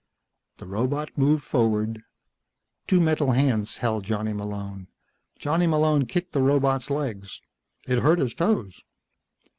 The robot moved forward. Two metal hands held Johnny Malone. Johnny Malone kicked the robot's legs. It hurt his toes.